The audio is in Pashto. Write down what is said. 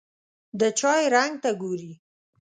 د چای رنګ ته ګوري.